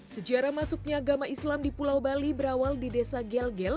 sejarah masuknya agama islam di pulau bali berawal di desa gel gel